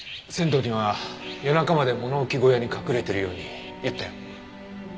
仙道には夜中まで物置小屋に隠れてるように言ったよ。